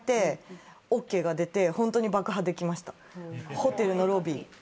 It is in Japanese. ホテルのロビー。